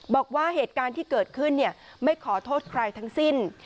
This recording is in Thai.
บอกว่าเหตุการณ์ที่เกิดขึ้นไม่ขอโทษใครทั้งสิ้น